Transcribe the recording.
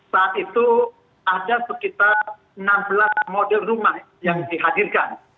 saat itu ada sekitar enam belas model rumah yang dihadirkan